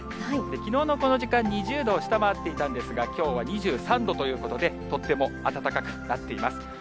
きのうのこの時間２０度を下回っていたんですが、きょうは２３度ということで、とっても暖かくなっています。